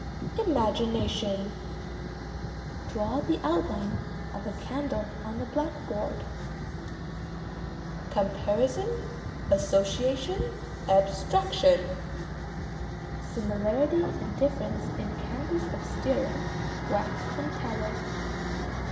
Imagination. Draw the outline of a candle on the blackboard. Comparison, association, abstraction. Similarity and difference in candles of stearine, wax, and tallow.